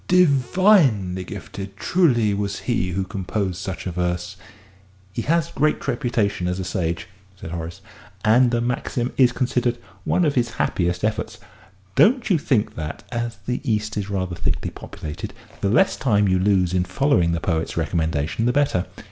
"Divinely gifted truly was he who composed such a verse!" "He has a great reputation as a sage," said Horace, "and the maxim is considered one of his happiest efforts. Don't you think that, as the East is rather thickly populated, the less time you lose in following the poet's recommendation the better?"